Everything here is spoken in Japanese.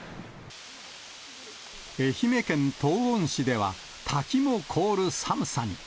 愛媛県東温市では、滝も凍る寒さに。